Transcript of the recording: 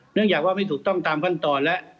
เนื่องจากว่าไม่ถูกต้องตามขั้นตอนแล้ว